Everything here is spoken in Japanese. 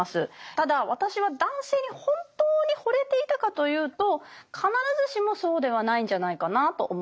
ただ私は男性に本当にほれていたかというと必ずしもそうではないんじゃないかなと思っています。